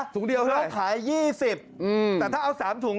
เดียวแล้วขาย๒๐แต่ถ้าเอา๓ถุง